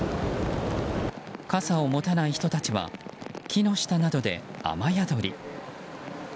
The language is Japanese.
傘を持たない人たちは木の下などで雨宿り。